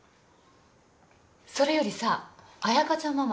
それよりさ彩香ちゃんママ。